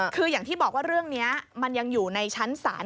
คืออย่างที่บอกว่าเรื่องนี้มันยังอยู่ในชั้นศาล